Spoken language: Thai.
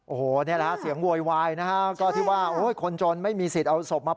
โอ้โหเนี่ยนะฮะเสียงโวยวายนะฮะก็ที่ว่าคนจนไม่มีสิทธิ์เอาศพมาปล่อยนะครับ